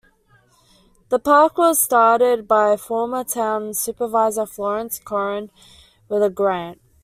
The park was started by former Town Supervisor Florence Corron with a grant.